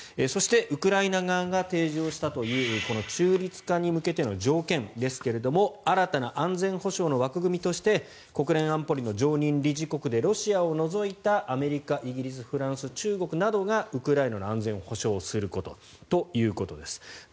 そしてウクライナ側が提示をしたというこの中立化に向けての条件ですが新たな安全保障の枠組みとして国連安保理の常任理事国でロシアを除いたアメリカイギリス、フランス、中国などがウクライナの安全を保証することということです。